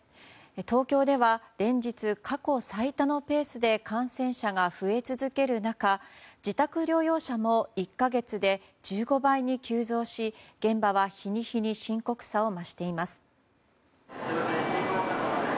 東京では連日、過去最多のペースで感染者が増え続ける中自宅療養者も１か月で１５倍に急増し現場は日に日に深刻さを増しています。